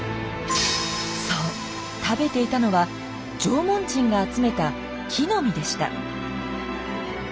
そう食べていたのは縄文人が集めた木の実でした。